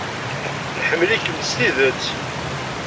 Nḥemmel-ikem s tidet.